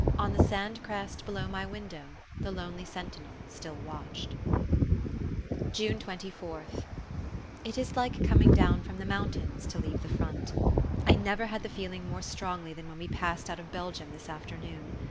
On the sandcrest below my window the lonely sentinel still watched... June 24th. It is like coming down from the mountains to leave the front. I never had the feeling more strongly than when we passed out of Belgium this afternoon.